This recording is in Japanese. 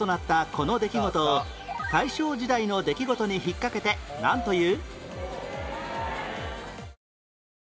この出来事を大正時代の出来事にひっかけてなんという？